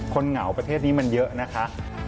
เหงาประเทศนี้มันเยอะนะคะ